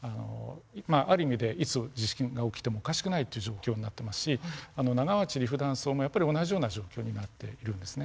ある意味でいつ地震が起きてもおかしくないっていう状況になってますし長町−利府断層もやっぱり同じような状況になっているんですね。